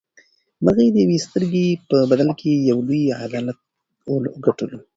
مرغۍ د یوې سترګې په بدل کې یو لوی عدالت وګټلو.